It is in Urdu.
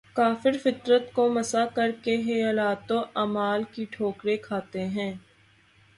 کافر فطرت کو مسخ کر کے خیالات و اعمال کی ٹھوکریں کھاتے ہیں